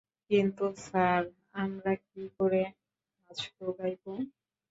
কিন্তু স্যার আমরা কি করে নাচবো গাইবো?